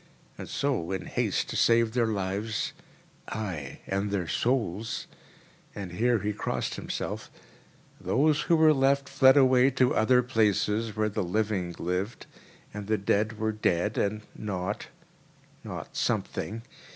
And so, in haste to save their lives (aye, and their souls!—and here he crossed himself) those who were left fled away to other places, where the living lived, and the dead were dead and not—not something.